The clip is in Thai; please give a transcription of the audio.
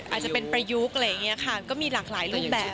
อาจจะเป็นประยุกต์อะไรอย่างนี้ค่ะก็มีหลากหลายรูปแบบ